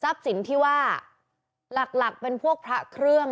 รับสินที่ว่าหลักเป็นพวกพระเครื่อง